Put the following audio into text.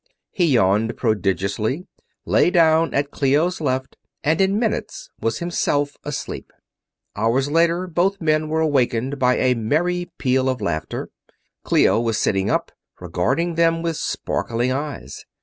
He yawned prodigiously, lay down at Clio's left, and in minutes was himself asleep. Hours later, both men were awakened by a merry peal of laughter. Clio was sitting up, regarding them with sparkling eyes.